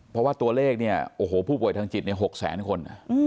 เพราะว่าตัวเลขพูดป่วยทางจิต๖๐๐๐๐๐คน